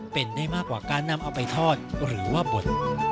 เป็นได้มากกว่าการนำเอาไปทอดหรือว่าบด